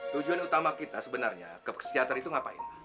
tujuan utama kita sebenarnya ke fisioter itu ngapain